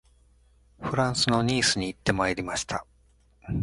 フランスのニースに行ってまいりました